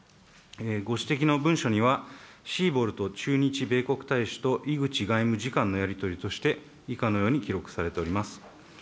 ご指摘の文書には、シーボルト駐日米国大使といぐち外務次官のやり取りとして、以下のように記録されております。